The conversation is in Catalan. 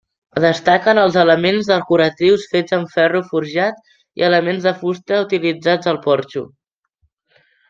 Destaquen els elements decoratius fets amb ferro forjat i elements de fusta utilitzats al porxo.